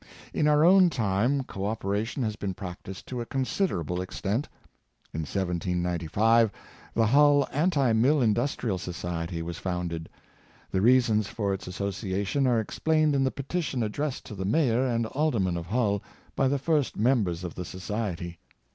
In our own time co operation has been practiced to a considerable extent. In 1795, the Hull Anti Mill In dustrial Society was founded. The reasons for its as sociation are explained in the petition addressed to the mayor and aldermen of Hull by the first members of the society.